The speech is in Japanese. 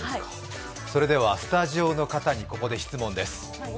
それではスタジオの方にここで質問です。